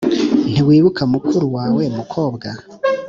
ntiwibuka mukuru wawe mukobwa